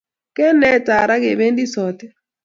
kaneta raa kependi sotik